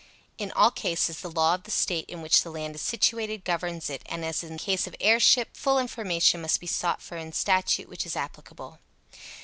In all cases the law of the State in which the land is situated governs it, and, as in the case of heirship, full information must be sought for in statute which is applicable.